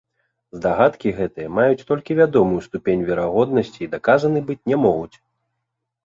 Здагадкі гэтыя маюць толькі вядомую ступень верагоднасці і даказаны быць не могуць.